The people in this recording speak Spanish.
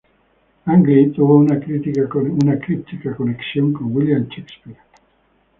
Langley tuvo una críptica conexión con William Shakespeare.